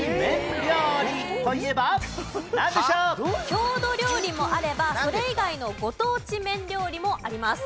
郷土料理もあればそれ以外のご当地麺料理もあります。